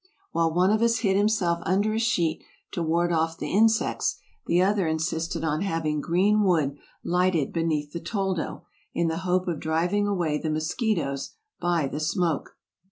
While one of us hid himself under a sheet to ward off the insects, the other insisted on having green wood lighted beneath the toldo, in the hope of driving away the mosquitoes by the smoke.